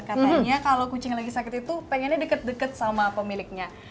katanya kalau kucing lagi sakit itu pengennya deket deket sama pemiliknya